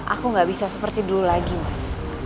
aku gak bisa seperti dulu lagi mas